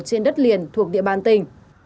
trên đất liền thuộc địa bàn tỉnh